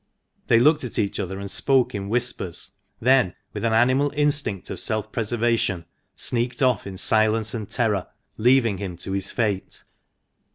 They looked at each other and spoke in whispers ; then, with an animal instinct of self preservation, sneaked off in silence and terror, leaving him to his fate.